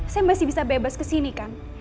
saya masih bisa bebas ke sini kan